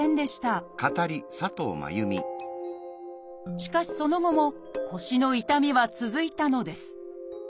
しかしその後も腰の痛みは続いたのです。